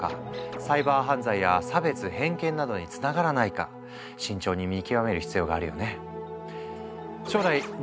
サイバー犯罪や差別・偏見などにつながらないか慎重に見極める必要があるよね。